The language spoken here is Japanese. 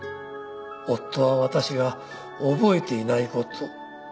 夫は私が覚えていないこと」